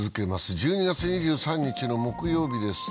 １２月２３日の木曜日です。